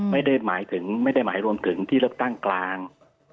ไม่ได้หมายรวมถึงที่ลักตั้งกลาง